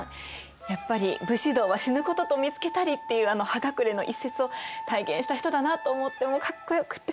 やっぱり「武士道は死ぬことと見つけたり」っていうあの「葉隠」の一節を体現した人だなと思ってもうかっこよくって。